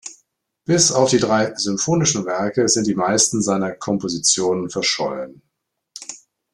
Bis auf die drei symphonischen Werke sind die meisten seiner Kompositionen verschollen.